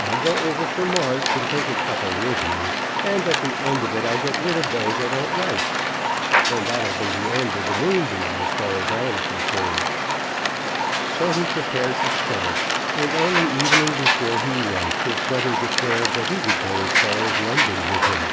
I'll go over for March, and take a couple with me; and, at the end of it, I'll get rid of those I don't like. Then that'll be the end of the Moonbeam, as far as I am concerned." So he prepared to start, and on the evening before he went his brother declared that he would go as far as London with him.